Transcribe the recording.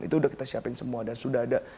itu udah kita siapin semua dan sudah ada